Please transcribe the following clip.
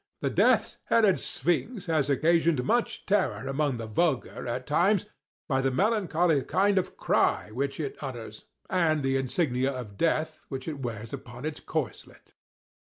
The Death's headed Sphinx has occasioned much terror among the vulgar, at times, by the melancholy kind of cry which it utters, and the insignia of death which it wears upon its corslet.